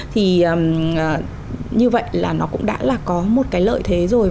thì như vậy là nó cũng đã là có một cái lợi thế rồi